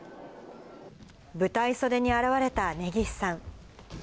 舞台袖に現れた根岸さん。